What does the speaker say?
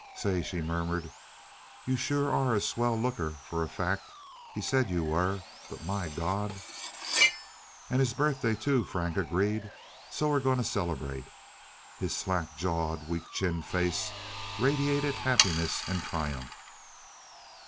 "Say," she murmured, "you sure are a swell looker for a fact. He said you were but my Gawd " "And his birthday too," Frank agreed, "so we're gonna celebrate " His slack jawed, weak chinned face radiated happiness and triumph.